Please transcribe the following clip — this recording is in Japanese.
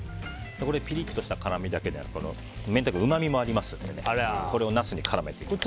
ピリッとした辛みだけではなく明太子のうまみもありますのでこれをナスに絡めていきます。